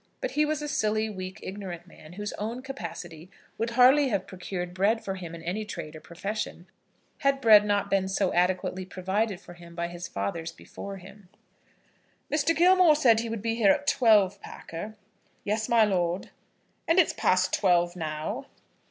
But he was a silly, weak, ignorant man, whose own capacity would hardly have procured bread for him in any trade or profession, had bread not been so adequately provided for him by his fathers before him. "Mr. Gilmore said he would be here at twelve, Packer?" "Yes, my lord." "And it's past twelve now?"